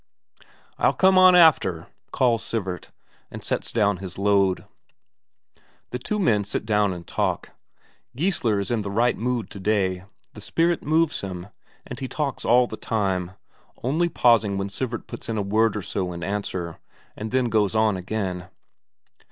"I'll come on after," calls Sivert, and sets down his load. The two men sit down and talk. Geissler is in the right mood today; the spirit moves him, and he talks all the time, only pausing when Sivert puts in a word or so in answer, and then going on again.